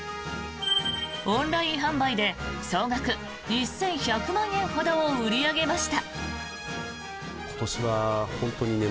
オンライン販売で総額１１００万円ほどを売り上げました。